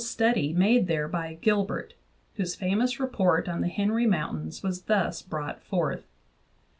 VIII study made there by Gilbert, whose famous report on the Henry Mountains was thus brought forth.